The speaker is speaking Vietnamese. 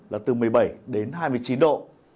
là từ một mươi bảy đến hai mươi chín độ